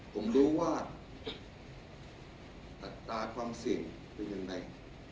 ผมรู้ว่าคำสาคการความเสี่ยงเป็นอย่างไร